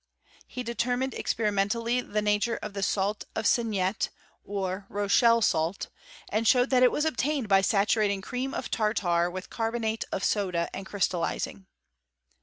He determined experimentally the nature of the salt of Seignette, or Rochelle salt, and showed that it was obtained by saturating cream of tartar with carbonate of soda, and crystallizing.